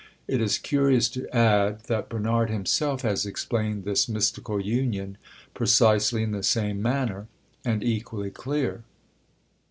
It is curious to add, that Bernard himself has explained this mystical union precisely in the same manner, and equally clear.